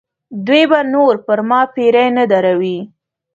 دوی به نور پر ما پیرې نه دروي.